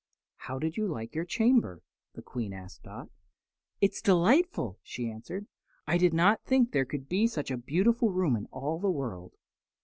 "How did you like your chamber?" the Queen asked Dot. "It is delightful," she answered. "I did not think there could be such a beautiful room in all the world."